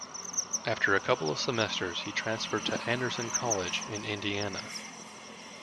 After a couple of semesters he transferred to Anderson College in Indiana.